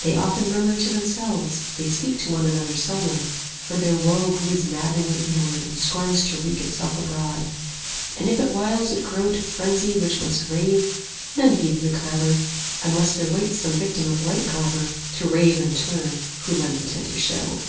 They often murmur to themselves, they speak To one another seldom, for their woe 65 Broods maddening inwardly and scorns to wreak Itself abroad; and if at whiles it grow To frenzy which must rave, none heeds the clamour, Unless there waits some victim of like glamour, To rave in turn, who lends attentive show.